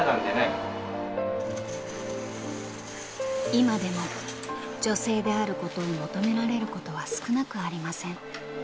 今でも女性であることを求められることは少なくありません。